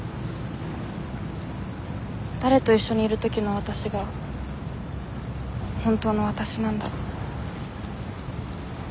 誰と一緒にいる時のわたしが本当のわたしなんだろ。